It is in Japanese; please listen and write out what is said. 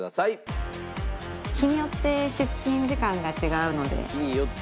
日によって出勤時間が違う？